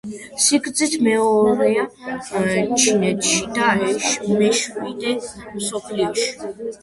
სიგრძით მეორეა ჩინეთში და მეშვიდე მსოფლიოში.